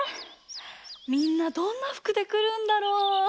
みんなどんなふくでくるんだろう？